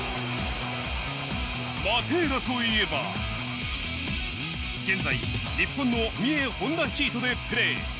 マテーラといえば、現在日本の三重ホンダヒートでプレー。